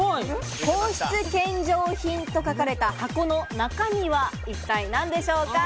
皇室献上品と書かれた箱の中身は一体何でしょうか？